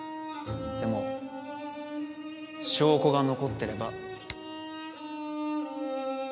でも証拠が残ってれば。